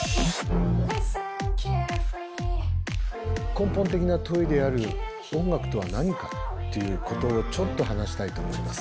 根本的な問いである音楽とは何かっていうことをちょっと話したいと思います。